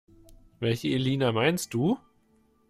Welche Elina meinst du?